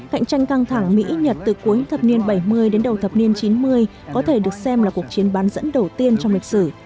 cạnh tranh căng thẳng mỹ nhật từ cuối thập niên bảy mươi đến đầu thập niên chín mươi có thể được xem là cuộc chiến bán dẫn đầu tiên trong lịch sử